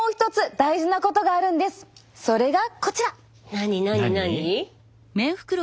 何何何？